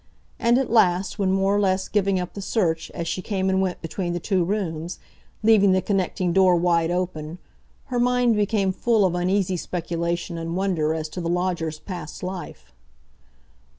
And at last, when more or less giving up the search, as she came and went between the two rooms, leaving the connecting door wide open, her mind became full of uneasy speculation and wonder as to the lodger's past life.